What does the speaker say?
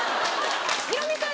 ヒロミさん